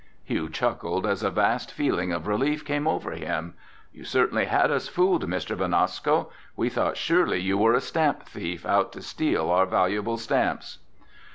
Hugh chuckled as a vast feeling of relief came over him. "You certainly had us fooled, Mr. Benasco. We thought surely you were a stamp thief out to steal our valuable stamps."